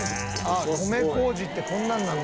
「米麹ってこんなんなんだ」